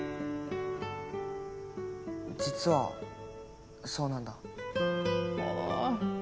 実はそうなんだほう